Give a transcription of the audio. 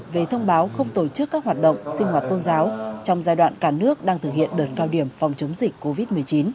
về thông báo không tổ chức các hoạt động sinh hoạt tôn giáo trong giai đoạn cả nước đang thực hiện đợt cao điểm phòng chống dịch covid một mươi chín